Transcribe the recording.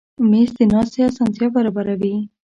مېز د ناستې اسانتیا برابروي.